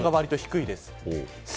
気温が割と低いです。